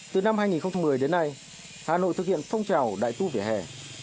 từ năm hai nghìn một mươi đến nay hà nội thực hiện phong trào đại tu vỉa hè